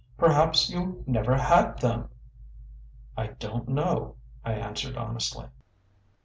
Perhaps you never had them?" "I don't know," I answered honestly.